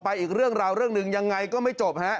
อีกเรื่องราวเรื่องหนึ่งยังไงก็ไม่จบฮะ